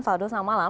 faldo selamat malam